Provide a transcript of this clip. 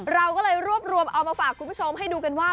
เราก็เลยรวบรวมเอามาฝากคุณผู้ชมให้ดูกันว่า